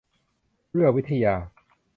เอื้อวิทยา